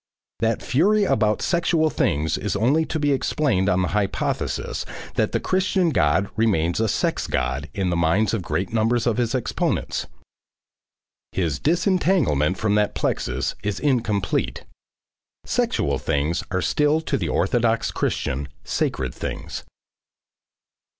That fury about sexual things is only to be explained on the hypothesis that the Christian God remains a sex God in the minds of great numbers of his exponents. His disentanglement from that plexus is incomplete. Sexual things are still to the orthodox Christian, sacred things.